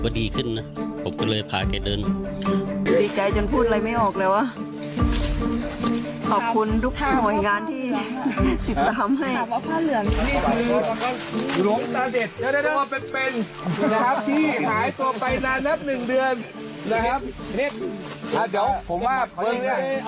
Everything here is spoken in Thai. ตอนนั้นเริ่มถอยลงมาว่าไม่มีความมั่นใจว่าจะจัดการทางแรก